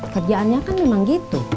kerjaannya kan memang gitu